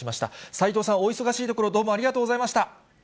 斎藤さん、お忙しいところ、どうもありがとうございました。